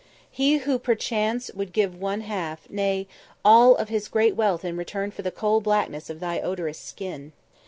He who perchance would give one half, nay, all of his great wealth in return for the coal blackness of thy odorous skin.